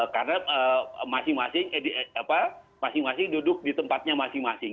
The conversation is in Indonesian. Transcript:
karena masing masing duduk di tempatnya masing masing